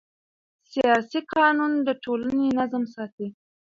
سیاسي قانون د ټولنې نظم ساتي